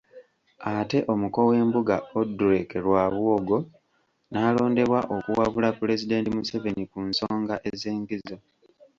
Ate omuko w'embuga Odrek Rwabwogo naalondebwa okuwabula Pulezidenti Museveni ku nsonga ez'enkizo.